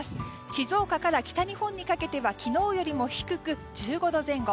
静岡から北日本にかけては昨日よりも低く１５度前後。